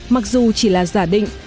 mặc dù chỉ là giả định